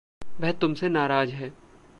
वह तुमसे नाराज़ है।